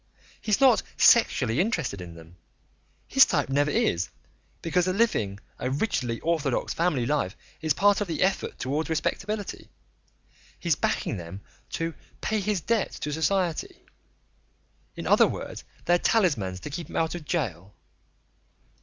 He's not sexually interested in them his type never is, because living a rigidly orthodox family life is part of the effort towards respectability. He's backing them to 'pay his debt to society' in other words, they're talismans to keep him out of jail."